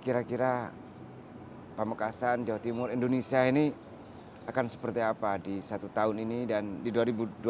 kira kira pamekasan jawa timur indonesia ini akan seperti apa di satu tahun ini dan di dua ribu dua puluh di dua ribu dua puluh satu